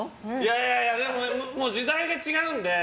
いやいやもう時代が違うんで。